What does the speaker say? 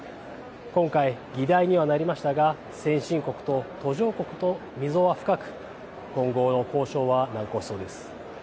今回、議題にはなりましたが先進国と途上国と溝は深く今後の交渉は難航しそうです。